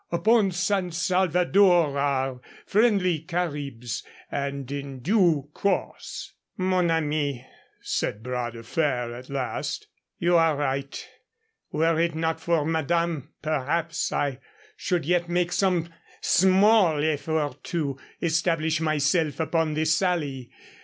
Upon San Salvador are friendly Caribs, and in due course " "Mon ami," said Bras de Fer at last, "you are right. Were it not for madame, perhaps, I should yet make some small effort to establish myself upon the Sally.